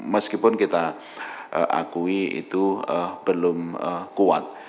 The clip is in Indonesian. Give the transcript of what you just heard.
meskipun kita akui itu belum kuat